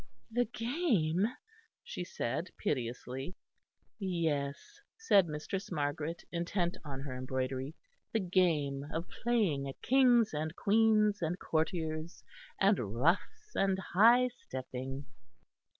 "The game?" she said piteously. "Yes," said Mistress Margaret, intent on her embroidery, "the game of playing at kings and queens and courtiers and ruffs and high stepping."